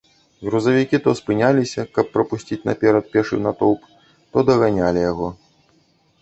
Грузавікі то спыняліся, каб прапусціць наперад пешы натоўп, то даганялі яго.